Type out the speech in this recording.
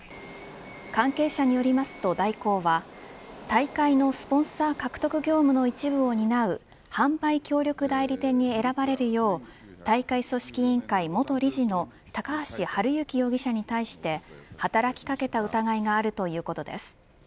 関係者によりますと大広は大会のスポンサー獲得業務の一部を担う販売協力代理店に選ばれるよう大会組織委員会元理事の高橋治之容疑者に対して働き掛けた疑いがあるということです。